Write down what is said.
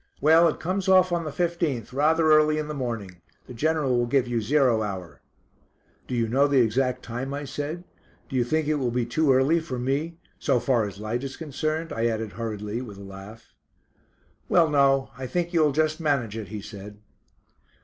"Well it comes off on the fifteenth, rather early in the morning. The General will give you zero hour." "Do you know the exact time?" I said. "Do you think it will be too early for me so far as the light is concerned?" I added hurriedly, with a laugh. "Well no. I think you will just manage it," he said.